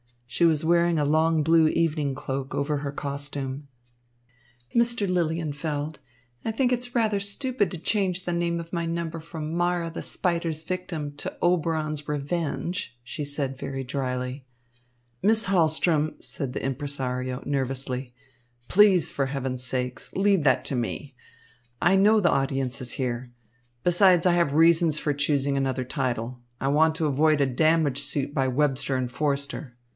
She was wearing a long blue evening cloak over her costume. "Mr. Lilienfeld, I think it is rather stupid to change the name of my number from 'Mara, the Spider's Victim' to 'Oberon's Revenge,'" she said very dryly. "Miss Hahlström," said the impresario, nervously, "please, for heaven's sake, leave that to me. I know the audiences here. Besides, I have reasons for choosing another title. I want to avoid a damage suit by Webster and Forster.